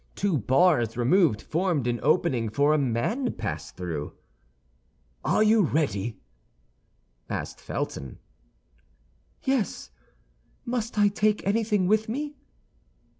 Two bars removed formed an opening for a man to pass through. "Are you ready?" asked Felton. "Yes. Must I take anything with me?"